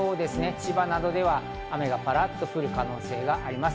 千葉などでは雨がぱらっと降る可能性があります。